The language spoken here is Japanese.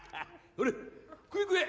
ほら食え食え。